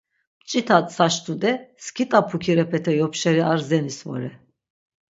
Mç̌ita tsaş tude skit̆a pukirepete yopşeri ar zenis vore.